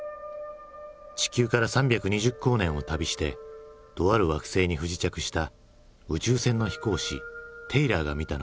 地球から３２０光年を旅してとある惑星に不時着した宇宙船の飛行士テイラーが見たのは。